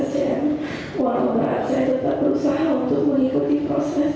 saya tetap berusaha untuk mengikuti proses